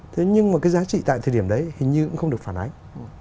thế nhưng mà cái giá trị tại thời điểm đấy hình như cũng không được phản ánh